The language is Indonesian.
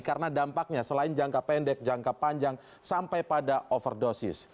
karena dampaknya selain jangka pendek jangka panjang sampai pada overdosis